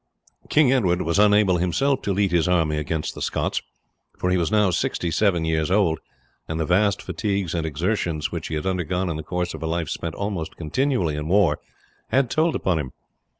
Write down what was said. King Edward was unable himself to lead his army against the Scots, for he was now sixty seven years old, and the vast fatigues and exertions which he had undergone in the course of a life spent almost continually in war had told upon him.